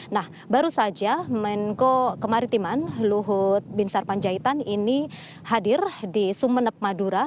nah baru saja menko kemaritiman luhut bin sarpanjaitan ini hadir di sumeneb madura